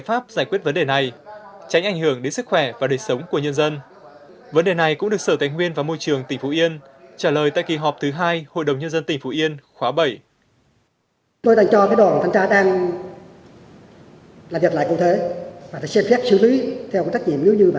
để giải quyết dứt điểm vấn đề này rất cần sự vật cuộc có trách nhiệm quyết liệt hơn nữa